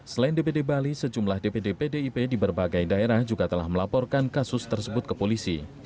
selain dpd bali sejumlah dpd pdip di berbagai daerah juga telah melaporkan kasus tersebut ke polisi